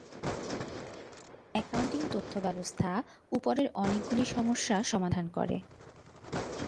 Accounting তথ্য ব্যবস্থা উপরের অনেকগুলি সমস্যার সমাধান করে।